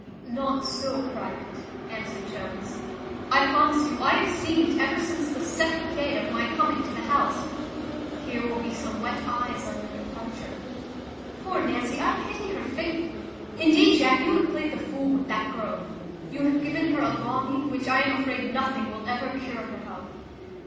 "Not so private," answered Jones; "I promise you, I have seen it ever since the second day of my coming to the house. Here will be some wet eyes on your departure. Poor Nancy, I pity her, faith! Indeed, Jack, you have played the fool with that girl. You have given her a longing, which I am afraid nothing will ever cure her of."